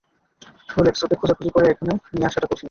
Rolex, ওকে খোঁজাখুঁজি করে এখানে নিয়ে আসাটা কঠিন।